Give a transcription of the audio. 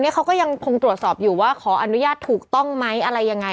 เขาก็ยังคงตรวจสอบอยู่ว่าขออนุญาตถูกต้องไหมอะไรยังไง